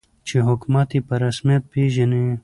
چې حکومت یې په رسمیت پېژني.